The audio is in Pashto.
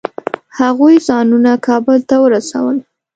هغوی ځانونه کابل ته ورسول.